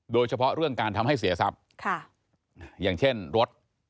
โดยเฉพาะเรื่องการทำให้เสียทรัพย์อย่างเช่นรถ